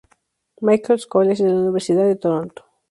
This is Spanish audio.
Michael's College de la Universidad de Toronto.